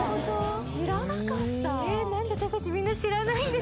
知らなかった！